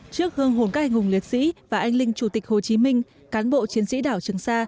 trước hương hồn các anh hùng liệt sĩ và anh linh chủ tịch hồ chí minh cán bộ chiến sĩ đảo trường sa